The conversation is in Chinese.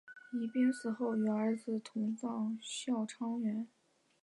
宜嫔死后与儿子同葬孝昌园。